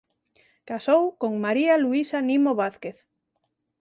Casou con María Luisa Nimo Vázquez.